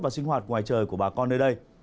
và sinh hoạt ngoài trời của bà con nơi đây